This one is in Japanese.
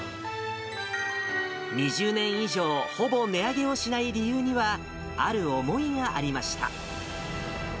２０年以上、ほぼ値上げをしない理由には、ある思いがありました。